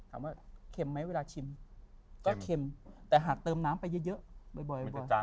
เค็มไหมเวลาชิมก็เค็มแต่หากเติมน้ำไปเยอะบ่อยจัง